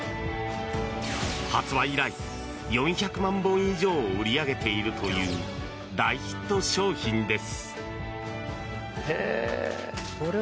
発売以来、４００万本以上を売り上げているという大ヒット商品です。